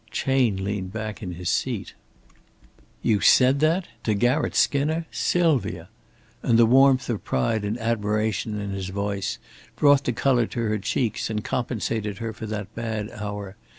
Chayne leaned back in his seat. "You said that to Garratt Skinner, Sylvia!" and the warmth of pride and admiration in his voice brought the color to her cheeks and compensated her for that bad hour.